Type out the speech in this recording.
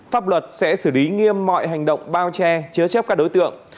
pháp luật sẽ xử lý nghiêm mọi hành động bao che chớ chép các đối tượng